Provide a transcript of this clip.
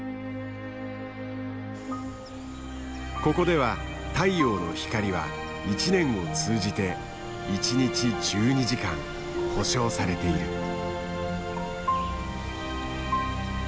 ここでは太陽の光は１年を通じて１日１２時間保証されている。